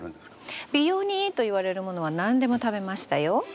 美容にいいといわれるものは何でも食べましたよ。